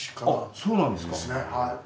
あそうなんですか。